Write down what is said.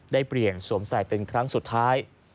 ได้เปลี่ยนสวมใส่เป็นครั้งสุดท้าย